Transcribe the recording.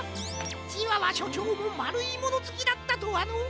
チワワしょちょうもまるいものずきだったとはのう。